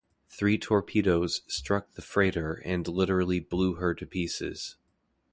Three torpedoes struck the freighter and literally blew her to pieces.